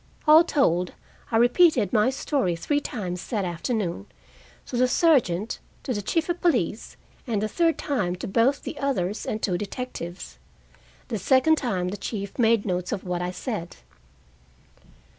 All told, I repeated my story three times that afternoon, to the sergeant, to the chief of police, and the third time to both the others and two detectives. The second time the chief made notes of what I said.